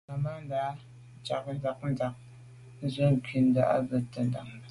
Ŋgàbándá nyâgə̀ ják á ndɑ̌’ ndzwə́ ncúndá á bì’də̌ tɛ̌ndá.